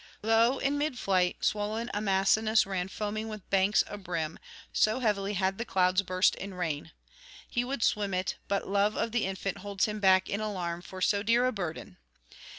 Lo, in mid flight swoln Amasenus ran foaming with banks abrim, so heavily had the clouds burst in rain. He would swim it; but love of the infant holds him back in alarm for so dear a burden.